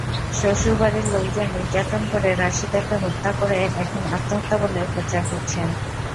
শ্বশুরবাড়ির লোকজন নির্যাতন করে রাশিদাকে হত্যা করে এখন আত্মহত্যা বলে প্রচার করছেন।